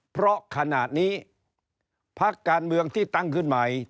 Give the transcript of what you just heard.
เพราะขณะนี้พักการเมืองที่ตั้งขึ้นใหม่